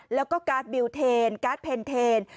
แล้วก็การ์ดบิลเทนการ์ดเพนเทน